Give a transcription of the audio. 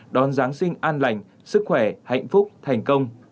đón giáng sinh an lành sức khỏe hạnh phúc thành công